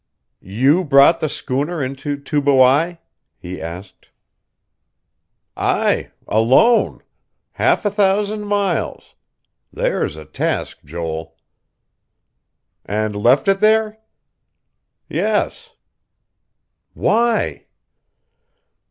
"You brought the schooner into Tubuai?" he asked. "Aye. Alone. Half a thousand miles. There's a task, Joel." "And left it there?" "Yes." "Why?"